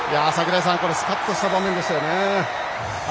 スカッとした場面でしたよね。